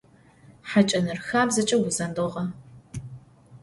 Хьакӏэныр хабзэкӏэ узэндыгъэ.